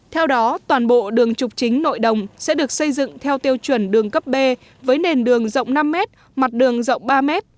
theo đó toàn bộ đường trục chính nội đồng sẽ được xây dựng theo tiêu chuẩn đường cấp b với nền đường rộng năm m mặt đường rộng ba m